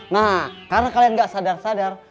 nah karena kalian nggak sadar sadar